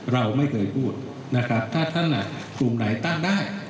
เราไม่เคยพูดนะครับถ้าท่านกลุ่มไหนตั้งได้